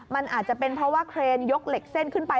มันอาจจะเป็นเพราะว่าเครนยกเหล็กเส้นขึ้นไป